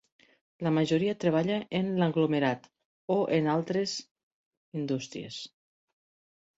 La majoria treballa en l'aglomerat o en altres indústries.